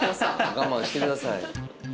我慢してください。